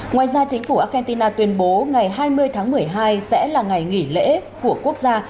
ngoài ra chính phủ argentina tuyên bố ngày hai mươi tháng một mươi hai sẽ là ngày nghỉ lễ của quốc gia